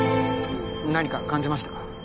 何か感じましたか？